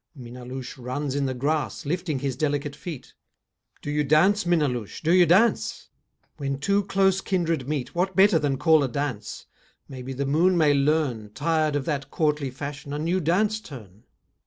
Minnaloushe runs in the grass, Lifting his delicate feet. Do you dance, Minnaloushe, do you dance? When two close kindred meet What better than call a dance, Maybe the moon may learn, Tired of that courtly fashion, A new dance turn.